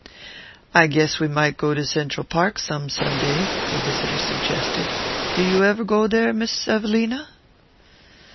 "I guess we might go to Cendral Park some Sunday," their visitor suggested. "Do you ever go there, Miss Evelina?"